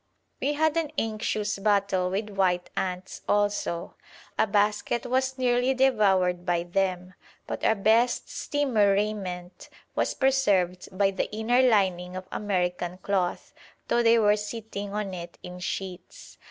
We had an anxious battle with white ants also. A basket was nearly devoured by them, but our best steamer raiment was preserved by the inner lining of American cloth, though they were sitting on it in sheets.